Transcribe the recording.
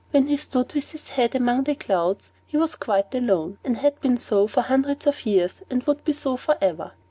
When he stood with his head among the clouds, he was quite alone, and had been so for hundreds of years, and would be so forever.